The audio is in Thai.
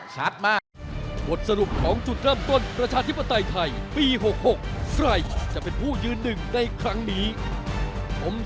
ชัดไหม